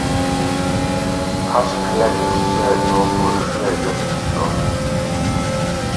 تاش قەيەرگە چۈشسە يولمۇ شۇ يەرگە تۇتىشىدۇ.